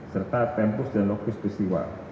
serta tempus dan lokus peristiwa